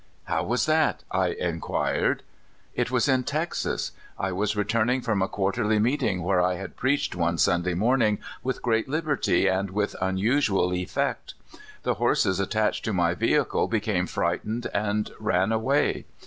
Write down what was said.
"How was that?" I inquired. "It was in Texas. I was returning from a quar terly meeting where I had preached one Sunday morning with great liberty and with unusual ef fect. The horses attached to my vehicle became frightened, and ran away.